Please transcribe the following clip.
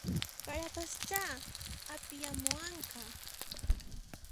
Parapaschá apiyamuwanqa